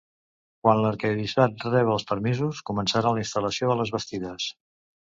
Quan l’arquebisbat reba els permisos, començarà la instal·lació de les bastides.